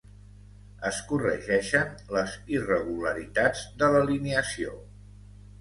Es corregeixen les irregularitats de l'alineació.